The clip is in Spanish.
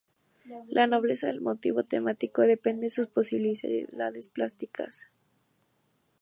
La ‘nobleza’ del motivo temático depende de sus posibilidades plásticas.